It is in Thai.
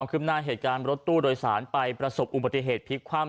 ขึ้นหน้าเหตุการณ์รถตู้โดยสารไปประสบอุบัติเหตุพลิกคว่ำ